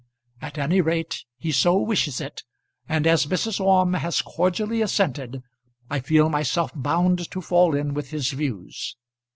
At any rate he so wishes it, and as Mrs. Orme has cordially assented, I feel myself bound to fall in with his views.